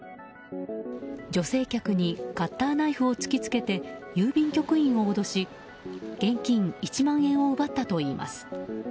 女性客にカッターナイフを突きつけて郵便局員を脅し現金１万円を奪ったといいます。